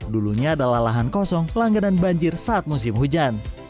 dulunya adalah lahan kosong langganan banjir saat musim hujan